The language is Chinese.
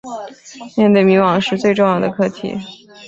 面对迷惘时重要的课题